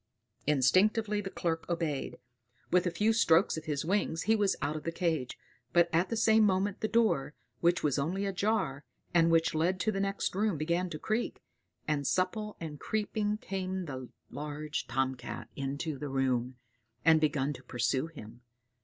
Instinctively the Clerk obeyed; with a few strokes of his wings he was out of the cage; but at the same moment the door, which was only ajar, and which led to the next room, began to creak, and supple and creeping came the large tomcat into the room, and began to pursue him.